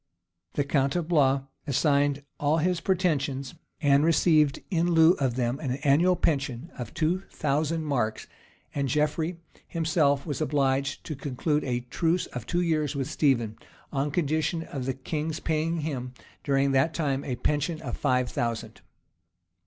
The count of Blois assigned all his pretensions, and received in lieu of them an annual pension of two thousand marks; and Geoffrey himself was obliged to conclude a truce for two years with Stephen, on condition of the king's paying him, during that time, a pension of five thousand.